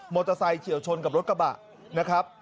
เตอร์ไซค์เฉียวชนกับรถกระบะนะครับ